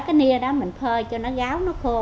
cái nia đó mình phơi cho nó gáo nó khô